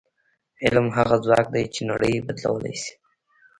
علم هغه ځواک دی چې نړۍ بدلولی شي.